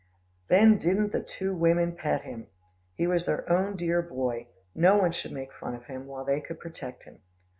Then didn't the two women pet him! He was their own dear boy, no one should make fun of him, while they could protect him.